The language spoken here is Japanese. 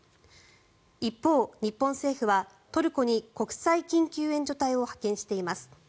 一方、日本政府はトルコに国際緊急援助隊を派遣しています。